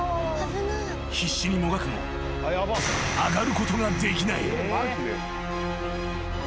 ［必死にもがくも上がることができない］